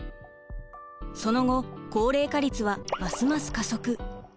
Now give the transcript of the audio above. その後高齢化率はますます加速。